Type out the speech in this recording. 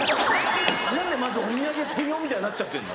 何でまずお土産専用みたいになっちゃってんの？